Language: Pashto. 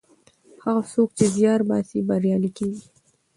هغه څوک چې زیار باسي بریالی کیږي.